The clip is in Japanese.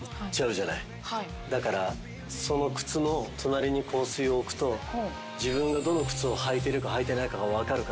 だからその靴の隣に香水を置くと自分がどの靴を履いてるか履いてないかが分かるから。